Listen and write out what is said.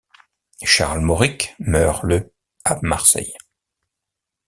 Charles Mauric meurt le à Marseille.